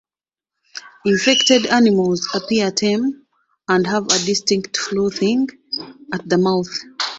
Infected animals appear tame and have a distinct frothing at the mouth.